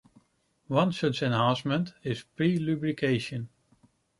One such enhancement is pre-lubrication.